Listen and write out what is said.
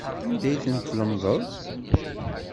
Anda ay ten-tlemdeḍ?